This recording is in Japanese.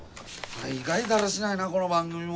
大概だらしないなあこの番組も。